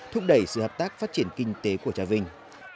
thúc đẩy sự hợp tác phát triển kinh tế của trà vinh